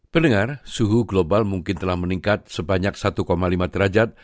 pendengar suhu global mungkin telah meningkat sebanyak satu lima derajat